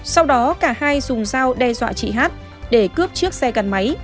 sau đó cả hai dùng sao đe dọa chị h để cướp chiếc xe căn máy